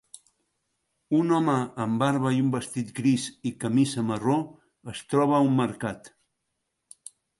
Un home amb barba i un vestit gris i camisa marró es troba a un mercat.